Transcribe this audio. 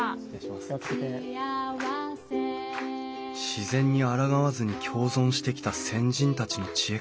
自然にあらがわずに共存してきた先人たちの知恵か。